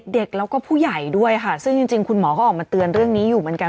เด็กแล้วก็ผู้ใหญ่ด้วยค่ะซึ่งจริงคุณหมอเขาออกมาเตือนเรื่องนี้อยู่เหมือนกัน